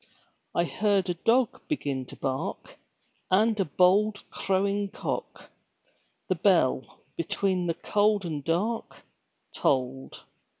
I heard a dog begin to bark And a bold crowing cock; The bell, between the cold and dark, Tolled.